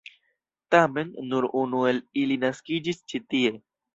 Tamen, nur unu el ili naskiĝis ĉi tie.